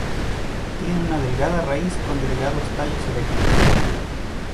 Tiene una delgada raíz con delgados tallos erectos.